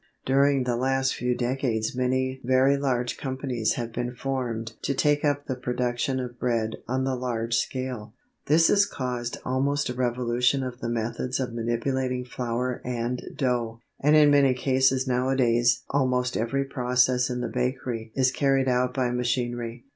During the last few decades many very large companies have been formed to take up the production of bread on the large scale. This has caused almost a revolution of the methods of manipulating flour and dough, and in many cases nowadays almost every process in the bakery is carried out by machinery.